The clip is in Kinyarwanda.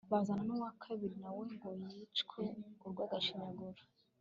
bazana n'uwa kabiri na we ngo yicwe urw'agashinyaguro